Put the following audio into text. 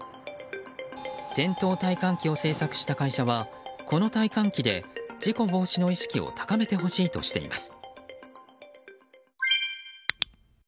転倒体感機を制作した会社はこの体感機で事故防止の意識を高めてほしいとしています。